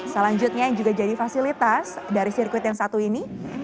selanjutnya yang juga jadi fasilitas dari sirkuit yang satu ini